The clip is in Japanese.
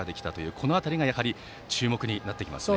この辺りが、やはり注目になってきますね。